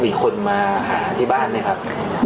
มีคนมาหาที่บ้านไหมครับ